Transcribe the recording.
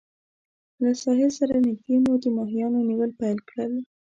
له ساحل سره نږدې مو د ماهیانو نیول پیل کړل.